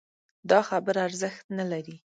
دا خبره ارزښت نه لري